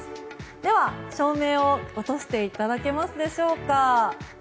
では、照明を落としていただけますでしょうか。